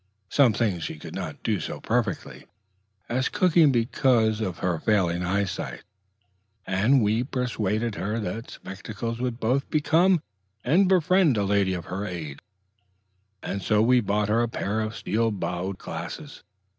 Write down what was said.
Some things she could not do so perfectly as cooking because of her failing eyesight, and we persuaded her that spectacles would both become and befriend a lady of her years, and so bought her a pair of steel bowed glasses.